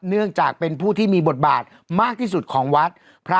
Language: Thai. เนื่องจากเป็นผู้ที่มีบทบาทมากที่สุดของวัดพระ